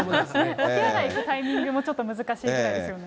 お手洗い行くタイミングもちょっと難しいくらいですよね。